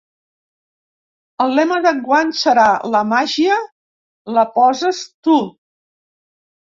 El lema d’enguany serà ‘La màgia la poses tu!’.